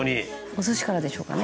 お寿司からでしょうかね。